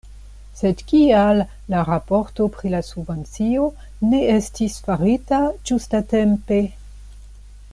Sed kial la raporto pri la subvencio ne estis farita ĝustatempe?